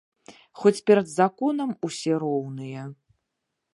Хоць перад законам усе роўныя.